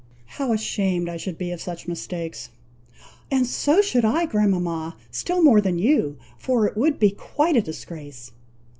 How ashamed I should be of such mistakes!" "And so should I, grandmama, still more than you; for it would be quite a disgrace."